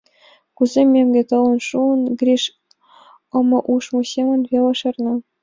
Кузе мӧҥгӧ толын шуын, Гриш омо ужмо семын веле шарна.